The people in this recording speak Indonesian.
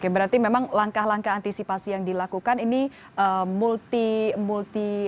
berarti memang langkah langkah antisipasi yang dilakukan ini multi multi